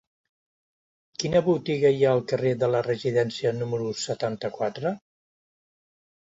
Quina botiga hi ha al carrer de la Residència número setanta-quatre?